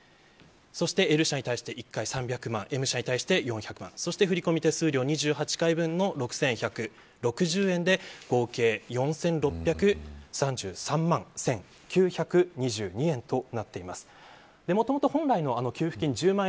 そしてＬ社に対して１回３００万円Ｍ社に対して１回４００万円振り込み手数料、２８回分の６１６０円で合計４６３３万１９２２円となっています。